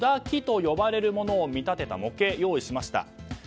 木と呼ばれるものを見立てた模型を用意しました。